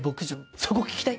そこ聞きたい？